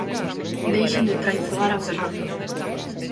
Deixen de traizoar a Ferrol.